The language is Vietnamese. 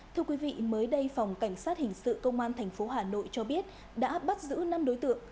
thưa quý vị mới đây phòng cảnh sát hình sự công an tp hà nội cho biết đã bắt giữ năm đối tượng